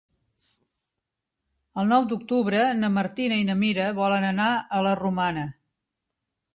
El nou d'octubre na Martina i na Mira volen anar a la Romana.